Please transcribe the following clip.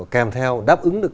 kèm theo đáp ứng được